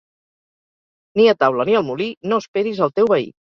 Ni a taula ni al molí no esperis al teu veí.